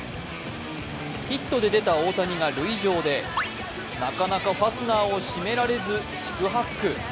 ヒットで出た大谷が塁上でなかなかファスナーを締められず、四苦八苦。